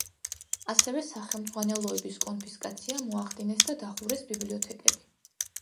ასევე სახელმძღვანელოების კონფისკაცია მოახდინეს და დახურეს ბიბლიოთეკები.